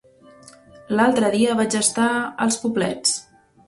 L'altre dia vaig estar als Poblets.